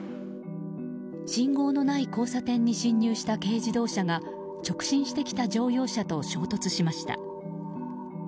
信号のない交差点に進入した軽自動車が直進してきた乗用車と衝突しました。